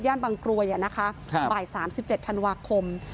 ย่านบางกรวยอ่ะนะคะครับบ่ายสามสิบเจ็ดธันวาคม